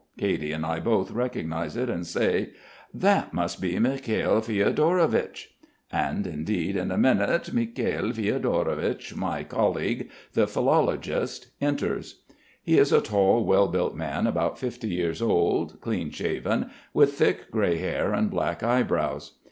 Katy and I both recognise it and say: "That must be Mikhail Fiodorovich." And indeed in a minute Mikhail Fiodorovich, my colleague, the philologist, enters. He is a tall, well built man about fifty years old, clean shaven, with thick grey hair and black eyebrows.